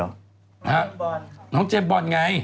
น้องเจมส์บอลค่ะน้องเจมส์บอลไง